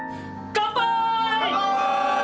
乾杯！